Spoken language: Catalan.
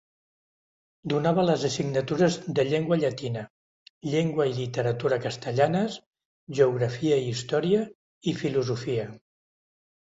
Donava les assignatures de llengua llatina, llengua i literatura castellanes, geografia i història i filosofia.